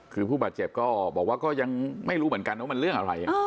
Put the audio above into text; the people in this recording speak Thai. คือผู้บาดเจ็บก็บอกว่าก็ยังไม่รู้เหมือนกันว่ามันเรื่องอะไร